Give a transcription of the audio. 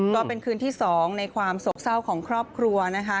ก็เป็นคืนที่๒ในความโศกเศร้าของครอบครัวนะคะ